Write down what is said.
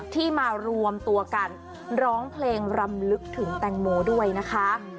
ที่มารวมตัวกันร้องเพลงรำลึกถึงแตงโมด้วยนะคะ